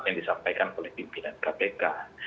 yang disampaikan oleh pimpinan kpk